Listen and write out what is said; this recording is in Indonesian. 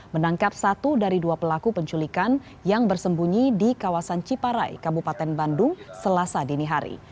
menangkap satu dari dua pelaku penculikan yang bersembunyi di kawasan ciparai kabupaten bandung selasa dini hari